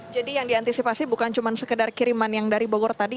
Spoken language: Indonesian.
jadi yang diantisipasi bukan sekedar kiriman yang dari bogor tadi